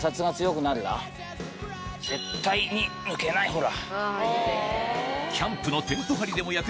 ほら。